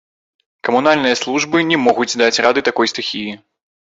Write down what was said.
Камунальныя службы не могуць даць рады такой стыхіі.